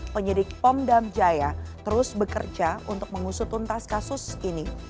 penyidik pom dam jaya terus bekerja untuk mengusut untas kasus ini